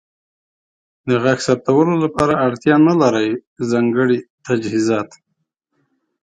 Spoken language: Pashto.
د غږ ثبتولو لپاره اړتیا نلرئ ځانګړې تجهیزات.